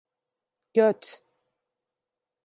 Göt!